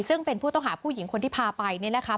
ซึ่งเป็นผู้ต้องหาผู้หญิงคนที่พาไปเนี่ยนะคะ